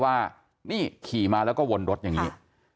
ว่านี่ขี่มาแล้วก็วนรถอย่างนี้